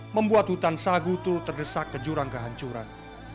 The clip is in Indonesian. membuat hutan seagus terdesak ke jurang kehancuran